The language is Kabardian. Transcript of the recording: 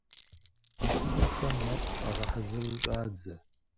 МэкъупӀэхэм мэкъу щагъэхьэзыру щӀадзэ.